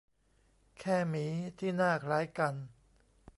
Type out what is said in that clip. แค่หมีที่หน้าคล้ายกัน